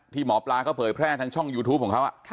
ที่หมอปลาเขาเปิดแพร่ทั้งช่องยูทูปของเขา